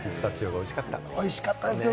おいしかったです。